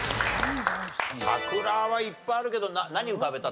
桜はいっぱいあるけど何浮かべた？